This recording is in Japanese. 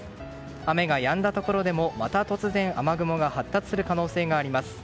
雨がやんだところでもまた突然、雨雲が発達する可能性があります。